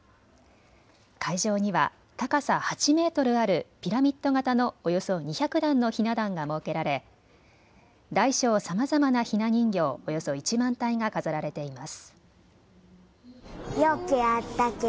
会場には高さ８メートルあるピラミッド型のおよそ２００段のひな壇が設けられ大小さまざまなひな人形およそ１万体が飾られています。